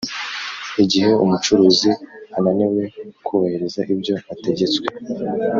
Igihe umucuruzi ananiwe kubahiriza ibyo ategetswe